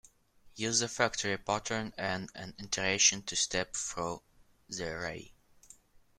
Use the factory pattern and an iterator to step through the array.